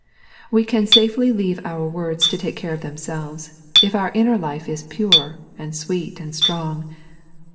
We can safely leave our words to ta^e care of themselves, if our inner life is pure, and sweet, and strong.